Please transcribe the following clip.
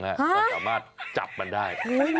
ก็สามารถจับมันได้